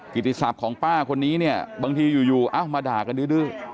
กิจศัพท์ของป้าคนนี้เนี่ยบางทีอยู่เอ้ามาด่ากันดื้อ